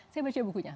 saya baca bukunya